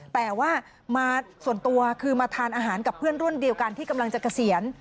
แต่ว่ามาส่วนตัวคือมาทานอาหารกับเพื่อนรุ่นเดียวกันที่กำลังจะเกษียณ